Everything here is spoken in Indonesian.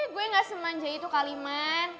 gue gak semanjai itu kaliman